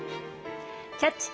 「キャッチ！